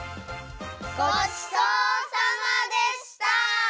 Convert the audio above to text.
ごちそうさまでした！